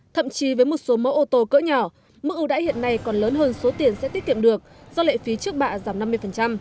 thậm chí với một số mẫu ô tô cỡ nhỏ mức ưu đãi hiện nay còn lớn hơn số tiền sẽ tiết kiệm được do lệ phí trước bạ giảm năm mươi